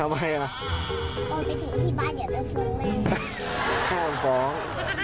ไม่ต้อง